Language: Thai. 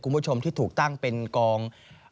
คุณผู้ชมที่ถูกตั้งเป็นกอง